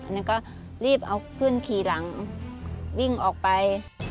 แล้วก็รีบเอาขึ้นขี่หลังวิ่งออกไป